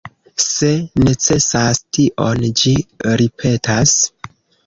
Se necesas tion ĝi ripetas.